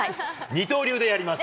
二刀流でやります。